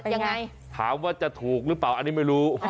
ยังไงถามว่าจะถูกหรือเปล่าอันนี้ไม่รู้